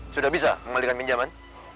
sudah bisa membalikan pinjaman